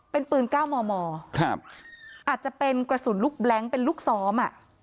เป็นปืน๙มมอาจจะเป็นกระสุนลูกแบล็งเป็นลูกซ้อมอ่ะ